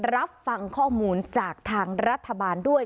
รับฟังข้อมูลจากทางรัฐบาลด้วย